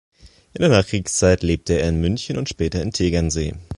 In der Nachkriegszeit lebte er in München und später in Tegernsee.